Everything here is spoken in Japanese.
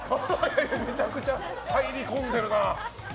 めちゃくちゃ入り込んでるな。